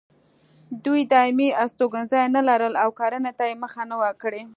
دوی دایمي استوګنځي نه لرل او کرنې ته یې مخه نه وه کړې.